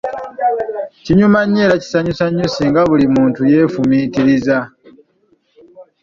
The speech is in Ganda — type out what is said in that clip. Kinyuma nnyo era kisanyusa nnyo singa buli muntu yeefumiitiriza.